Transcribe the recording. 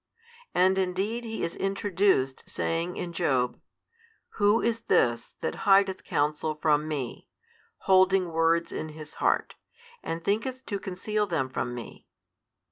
And indeed He is introduced saying in Job, Who is this that hideth counsel from Me, holding words in his heart, and thinketh to conceal them from Me?